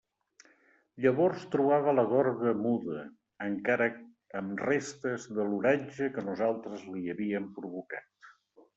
Llavors trobava la gorga muda, encara amb restes de l'oratge que nosaltres li havíem provocat.